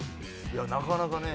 いやなかなかね。